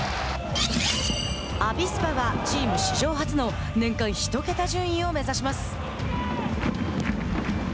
アビスパは、チーム史上初の年間１桁順位を目指します。